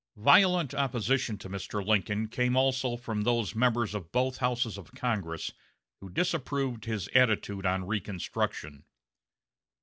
Violent opposition to Mr. Lincoln came also from those members of both Houses of Congress who disapproved his attitude on reconstruction.